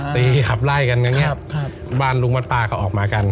ตีขับไล่กันอย่างนี้บ้านลุงมันปลาก็ออกมากัน